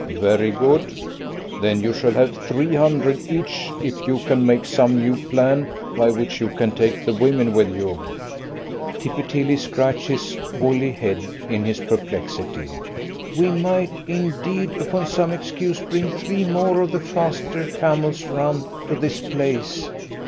"Very good. Then you shall have three hundred each if you can make some new plan by which you can take the women with you." Tippy Tilly scratched his woolly head in his perplexity. "We might, indeed, upon some excuse, bring three more of the faster camels round to this place.